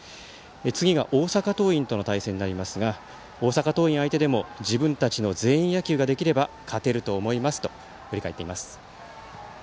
次が大阪桐蔭との対戦ですが大阪桐蔭相手でも自分たちの全員野球ができれば勝てると思いますと振り返っています。